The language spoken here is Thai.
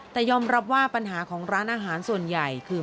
แต่ยอมรับว่าปัญหาของร้านอาหารส่วนใหญ่คือ